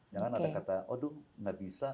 jangan ada kata oh duh nggak bisa